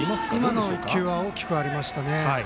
今の１球は大きくありましたね。